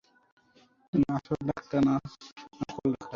তুই আসল ডাক্তার না নকল ডাক্তার?